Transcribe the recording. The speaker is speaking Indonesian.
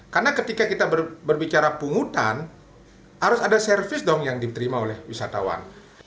karena ketika kita berbicara penghutan harus ada servis dong yang diterima oleh wisatawan